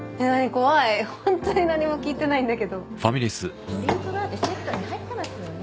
怖い本当に何も聞いてないんだけどドリンクバーってセットに入ってますよね？